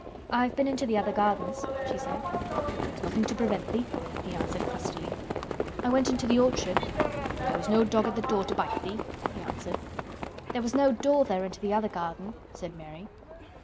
"I have been into the other gardens," she said. "There was nothin' to prevent thee," he answered crustily. "I went into the orchard." "There was no dog at th' door to bite thee," he answered. "There was no door there into the other garden," said Mary.